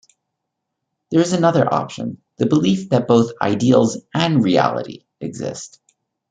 There is another option: the belief that both ideals and "reality" exist.